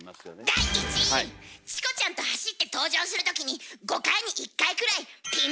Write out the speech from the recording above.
第１位！チコちゃんと走って登場するときに５回に１回くらいフフフフッ。